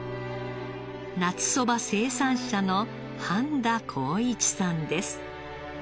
夏そば生産者の半田耕一さんです。